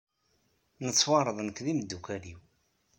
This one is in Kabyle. Nettweɛṛeḍ nekk d yimddukal-iw.